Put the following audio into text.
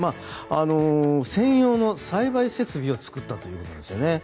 専用の栽培設備を作ったということなんですよね。